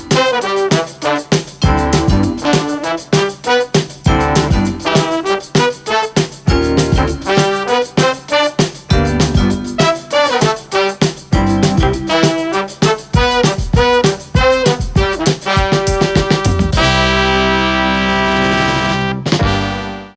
โปรดติดตามตอนต่อไป